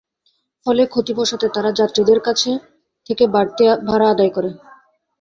ফলে ক্ষতি পোষাতে তাঁরা যাত্রীদের কাছ থেকে বাড়তি ভাড়া আদায় করেন।